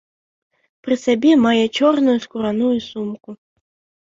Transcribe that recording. Пры сабе мае чорную скураную сумку.